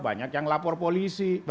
banyak yang lapor polisi